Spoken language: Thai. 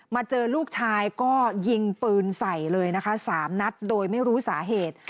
มาเจอลูกชายก็ยิงปืนใส่เลยนะคะ๓นัดโดยไม่รู้สาเหตุ